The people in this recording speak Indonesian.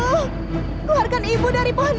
keluarkan ibu dari pohon ini